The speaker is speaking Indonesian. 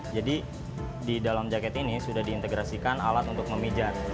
jadi di dalam jaket ini sudah diintegrasikan alat untuk memijat